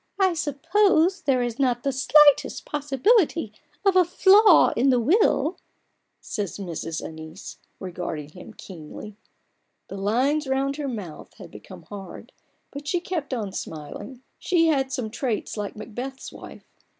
" I suppose there is not the slightest possibility of a flaw in the will ?" says Mrs. Ann ice, regarding him keenly. The lines round her mouth had become hard, but she kept on smiling : she had some traits like Macbeth's wife.